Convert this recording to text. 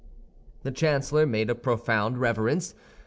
The chancellor made a profound reverence.